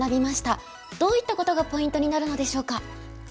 どういったことがポイントになるのでしょうか。